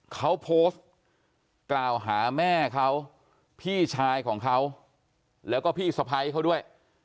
เขาโพสต์กล่าวหาแม่เขาพี่ชายของเขาแล้วก็พี่สะพ้ายเขาด้วย